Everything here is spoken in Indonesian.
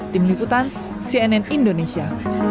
tim liputan cnn indonesia